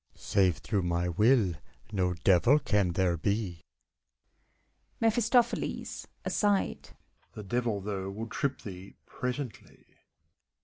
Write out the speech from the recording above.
Save through my will, no Devil can there be. MEPHISTOPHELES {(iside). The Devil, though, will trip thee presently!